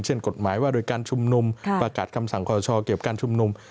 กฎหมายว่าโดยการชุมนุมประกาศคำสั่งขอชอเก็บการชุมนุม